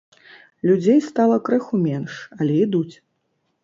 Людзей стала крыху менш, але ідуць.